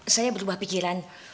saya berubah pikiran